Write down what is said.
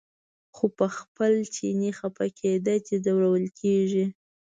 خو په خپل چیني خپه کېده چې ځورول کېږي.